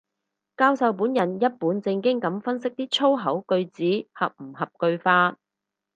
教授本人一本正經噉分析啲粗口句子合唔合句法